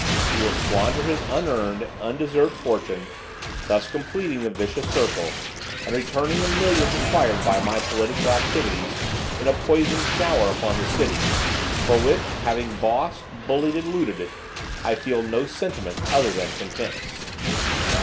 He will squander his unearned and undeserved fortune, thus completing the vicious circle, and returning the millions acquired by my political activities, in a poisoned shower upon the city, for which, having bossed, bullied and looted it, I feel no sentiment other than contempt."